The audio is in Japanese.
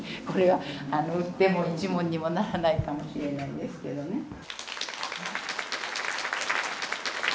これは売っても一文にもならないかもしれないですけどね。